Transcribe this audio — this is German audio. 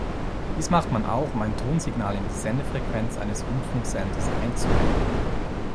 Dies macht man auch, um ein Tonsignal in die Sendefrequenz eines Rundfunksenders „einzubetten“.